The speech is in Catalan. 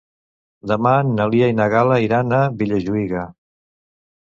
Demà na Lia i na Gal·la iran a Vilajuïga.